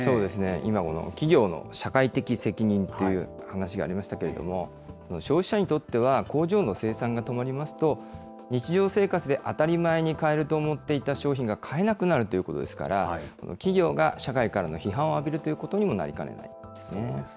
今、企業の社会的責任という話がありましたけれども、消費者にとっては工場の生産が止まりますと、日常生活で当たり前に買えると思っていた商品が買えなくなるということですから、企業が社会からの批判を浴びるということにもなそうですね。